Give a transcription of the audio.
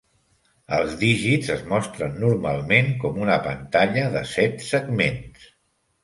Els dígits es mostren normalment com una pantalla de set segments.